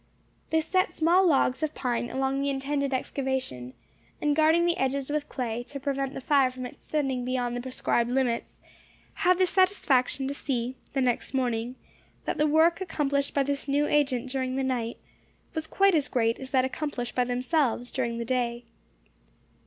They set small logs of pine along the intended excavation, and guarding the edges with clay, to prevent the fire from extending beyond the prescribed limits, had the satisfaction to see, the next morning, that the work accomplished by this new agent during the night, was quite as great as that accomplished by themselves during the day.